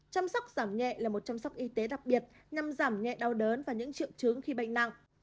chăm sóc giảm nhẹ là một chăm sóc y tế đặc biệt nhằm giảm nhẹ đau đớn và những triệu chứng khi bệnh nặng